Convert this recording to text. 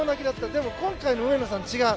でも、今回の上野さんは違う。